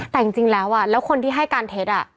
แต่จริงแล้วแล้วคนที่ให้การเท็จ